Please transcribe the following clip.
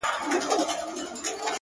• په خلوت کي وو ملګری د شیخانو,